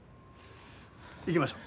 行きましょう。